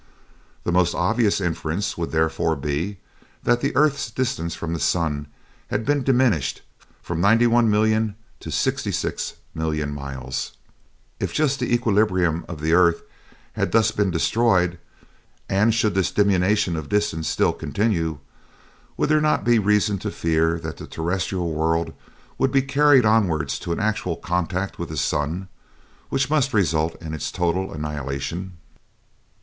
The most obvious inference would therefore be that the earth's distance from the sun had been diminished from 91,000,000 to 66,000,000 miles. If the just equilibrium of the earth had thus been destroyed, and should this diminution of distance still continue, would there not be reason to fear that the terrestrial world would be carried onwards to actual contact with the sun, which must result in its total annihilation?